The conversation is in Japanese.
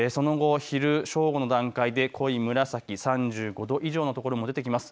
その後、昼、正午の段階で濃い紫、３５度以上の所も出てきます。